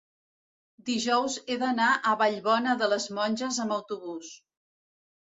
dijous he d'anar a Vallbona de les Monges amb autobús.